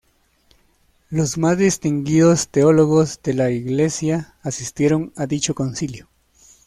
Los más distinguidos teólogos de la Iglesia asistieron a dicho Concilio.